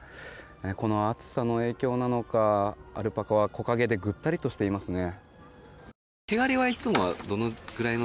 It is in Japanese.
この暑さの影響なのかアルパカは木陰でぐったりとしていますね。